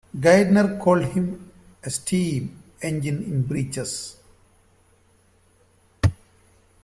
Gairdner called him 'a steam engine in breeches'.